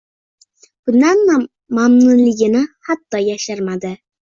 Bundan mamnunligini hatto yashirmadi.